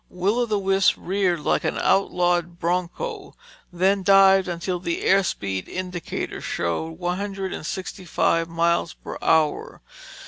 Will o' the Wisp reared like an outlawed bronco, then dived until the airspeed indicator showed one hundred and sixty five miles per hour.